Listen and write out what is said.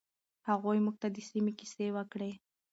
هغوی موږ ته د سیمې کیسې وکړې.